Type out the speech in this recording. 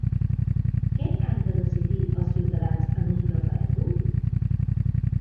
Què han de decidir els ciutadans en un referèndum?